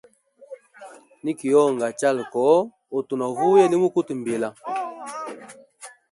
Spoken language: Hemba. Niki honga, chala koho, utu novuya nimukuta mbila.